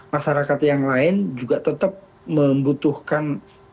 masyarakat yang lain juga tetap membutuhkan